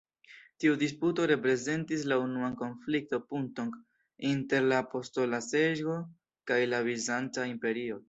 Tiu disputo reprezentis la unuan konflikto-punkton inter la Apostola Seĝo kaj la bizanca imperio.